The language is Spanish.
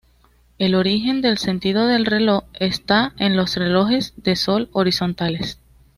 El origen del sentido del reloj está en los relojes de sol horizontales.